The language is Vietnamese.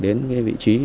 đến vị trí